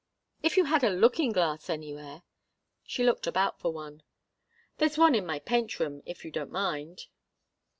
"If you had a looking glass anywhere " She looked about for one. "There's one in my paint room, if you don't mind."